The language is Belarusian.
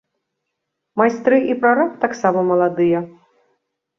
Майстры і прараб таксама маладыя.